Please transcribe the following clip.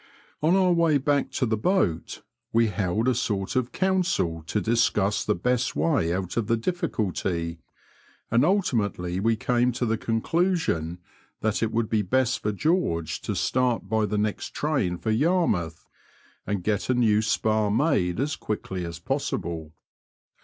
On our way back to the boat we held a sort of council to discuss the best way out of the diflSculty, and ultimately we came to the conclusion that it would be best for George to start by the next train for Yarmouth, and get a new spar made as quickly as possible.